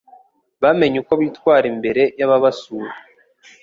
bamenye uko bitwara imbere y'ababasura